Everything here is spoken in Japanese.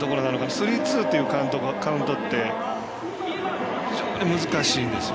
スリーツーというカウントって非常に難しいんですよ。